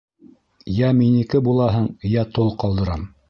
Йә минеке булаһың, йә тол ҡалдырам!